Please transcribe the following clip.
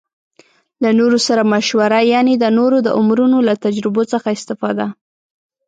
له نورو سره مشوره يعنې د نورو د عمرونو له تجربو څخه استفاده